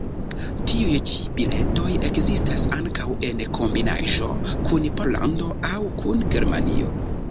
Tiuj ĉi biletoj ekzistas ankaŭ en kombinaĵo kun Pollando aŭ kun Germanio.